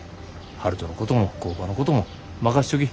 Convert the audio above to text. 悠人のことも工場のことも任しとき。